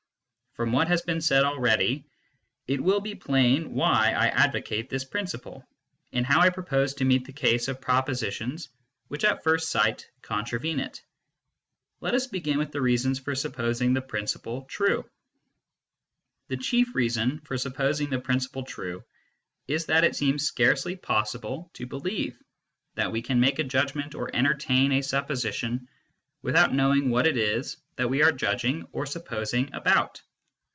: FronTwhat has been said already, it will be plain why I advocate this principle, and how I propose to meet the case of propositions which at first sight contravene it. Let us begin with the reasons for supposing the principle true. The chief reason for supposing the principle true is that it seems scarcely possible to believe that we can make a judgment or entertain a supposition without knowing what it is that we are judging or supposing about.